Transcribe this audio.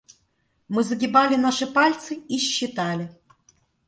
Мы загибали наши пальцы и считали.